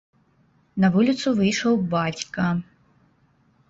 На вуліцу выйшаў бацька.